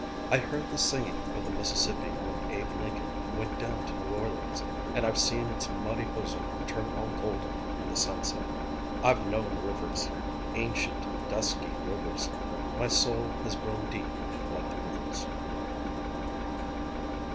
I heard the singing of the Mississippi when Abe Lincoln went down to New Orleans, and I've seen its muddy bosom turn all golden in the sunset. I've known rivers: Ancient, dusky rivers. My soul has grown deep like the rivers.